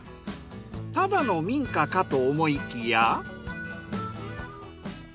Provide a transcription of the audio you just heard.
ただの民家かと思いきや。